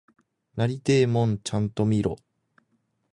なりてえもんちゃんと見ろ！